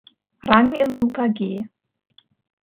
Rang im Super-G.